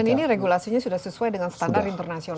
dan ini regulasinya sudah sesuai dengan standar internasional